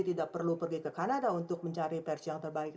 tidak perlu pergi ke kanada untuk mencari pers yang terbaik